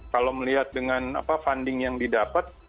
kalau melihat dengan funding yang didapat